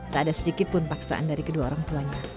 tak ada sedikit pun paksaan dari kedua orang tuanya